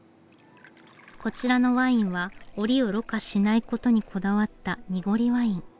こちらのワインはオリを濾過しないことにこだわったにごりワイン。